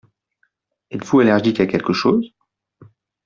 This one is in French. Êtes-vous allergique à quelque chose ?